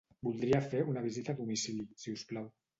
Voldria fer una visita a domicili, si us plau.